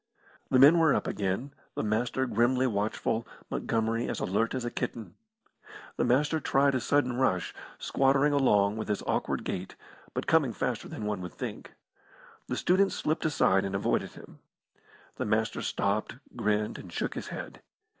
The men were up again, the Master grimly watchful, Montgomery as alert as a kitten. The Master tried a sudden rush, squattering along with his awkward gait, but coming faster than one would think. The student slipped aside and avoided him. The Master stopped, grinned, and shook his head.